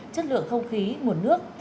chất lượng không khí nguồn nước